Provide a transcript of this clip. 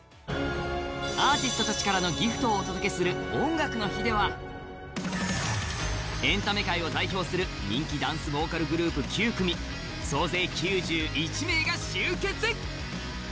アーティストたちからのギフトをお届けする「音楽の日」ではエンタメ界を代表する人気ダンスボーカルグループ９組総勢９１名が集結！